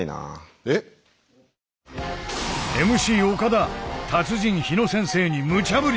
ＭＣ岡田達人日野先生にむちゃぶり！